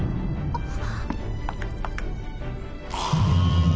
あっ。